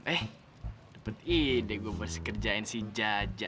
eh dapet ide gue bersih kerjain si jaja